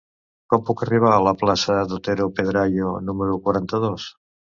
Com puc arribar a la plaça d'Otero Pedrayo número quaranta-dos?